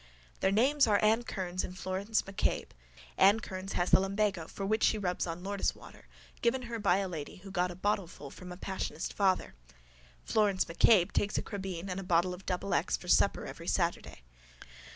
Their names are Anne Kearns and Florence MacCabe. Anne Kearns has the lumbago for which she rubs on Lourdes water, given her by a lady who got a bottleful from a passionist father. Florence MacCabe takes a crubeen and a bottle of double X for supper every Saturday.